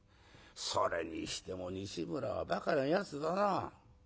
それにしても西村はばかなやつだな。